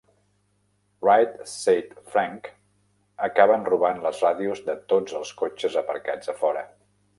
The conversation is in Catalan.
Right Said Frank acaben robant les ràdios de tots els cotxes aparcats a fora.